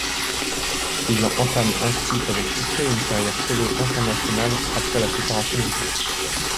Il entame ensuite avec succès une carrière solo internationale après la séparation du groupe.